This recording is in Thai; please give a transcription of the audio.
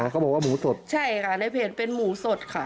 เขาบอกว่าหมูสดใช่ค่ะในเพจเป็นหมูสดค่ะ